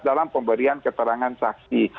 dalam pemberian keterangan saksi